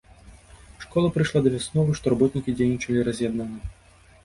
Школа прыйшла да высновы, што работнікі дзейнічалі раз'яднана.